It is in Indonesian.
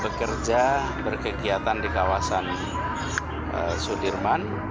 bekerja berkegiatan di kawasan sudirman